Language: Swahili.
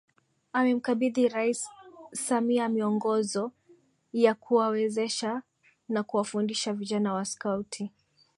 Amemkabidhi Rais Samia Miongozo ya kuwawezesha na kuwafundisha vijana wa Skauti